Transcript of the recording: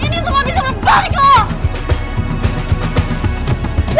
ini semua bisa lo balik